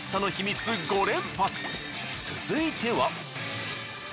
続いては。